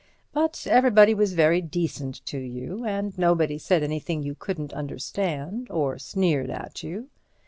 But everybody was very decent to you, and nobody said anything you couldn't understand, or sneered at you.